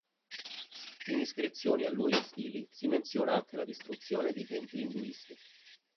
In iscrizioni a lui ostili si menziona anche la distruzione di templi induisti.